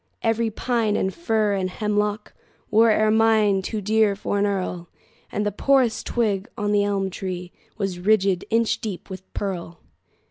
Every pine and fir and hemlockWore ermine too dear for an earl, And the poorest twig on the elm treeWas ridged inch deep with pearl.